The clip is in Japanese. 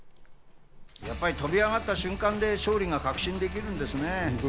やっぱり飛び上がった瞬間で勝利が確信できるんですね。